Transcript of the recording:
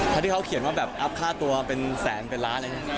คือจะบอกว่า